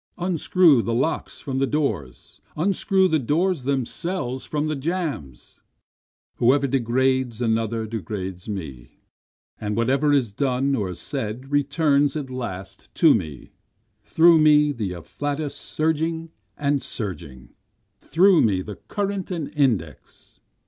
Unscrew the locks from the doors! Unscrew the doors themselves from their jambs! Whoever degrades another degrades me, And whatever is done or said returns at last to me. Through me the afflatus surging and surging, through me the current and index.